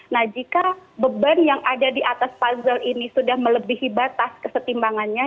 nah jika beban yang ada di atas puzzle ini sudah melebihi batas kesetimbangannya